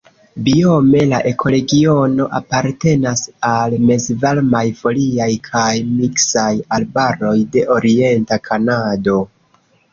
Biome la ekoregiono apartenas al mezvarmaj foliaj kaj miksaj arbaroj de orienta Kanado.